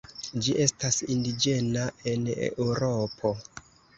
Ĝi estas indiĝena en Eŭropo.